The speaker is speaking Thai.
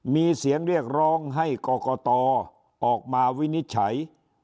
มีเสียงเรียกร้องให้กรกตออกมาวินิจฉัย